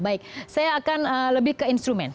baik saya akan lebih ke instrumen